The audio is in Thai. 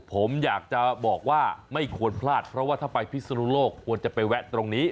ผมอยากจะบอกว่าไม่ควรพลาดเพราะว่าถ้าไปพิศนุโลกควรจะไปแวะตรงนี้